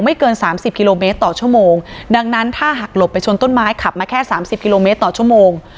เกินสามสิบกิโลเมตรต่อชั่วโมงดังนั้นถ้าหักหลบไปชนต้นไม้ขับมาแค่สามสิบกิโลเมตรต่อชั่วโมง